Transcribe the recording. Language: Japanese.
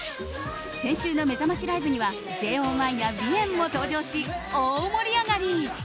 先週のめざましライブにはＪＯ１や美炎‐ＢＩＥＮ‐も登場し大盛り上がり。